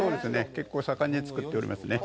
結構、盛んに作っておりますね。